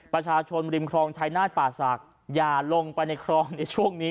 ประชาชนริมครองชายนาฏป่าศักดิ์อย่าลงไปในคลองในช่วงนี้